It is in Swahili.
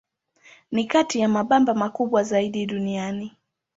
Ni kati ya mabamba makubwa zaidi duniani.